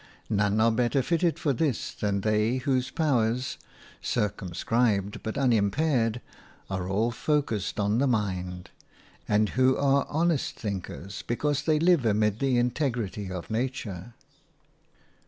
None are better fitted for this than they whose powers – circumscribed but unimpaired – are all focussed on the mind, and who are honest thinkers because they live amid the integrity of nature.